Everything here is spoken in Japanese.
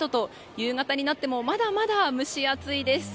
夕方になってもまだまだ蒸し暑いです。